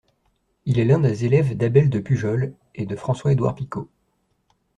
Il est l'un des élèves d'Abel de Pujol et de François-Édouard Picot.